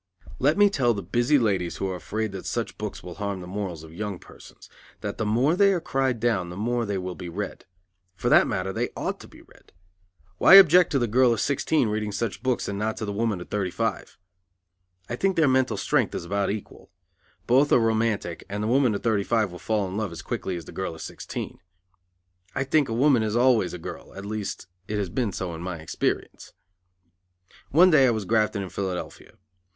Let me tell the busy ladies who are afraid that such books will harm the morals of young persons that the more they are cried down the more they will be read. For that matter they ought to be read. Why object to the girl of sixteen reading such books and not to the woman of thirty five? I think their mental strength is about equal. Both are romantic and the woman of thirty five will fall in love as quickly as the girl of sixteen. I think a woman is always a girl; at least, it has been so in my experience. One day I was grafting in Philadelphia.